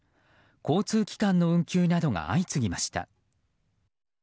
交通機関の運休などが相次ぎました。